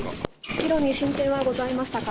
議論に進展はございましたか？